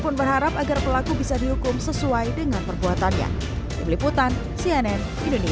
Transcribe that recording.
pun berharap agar pelaku bisa dihukum sesuai dengan perbuatannya meliputan cnn indonesia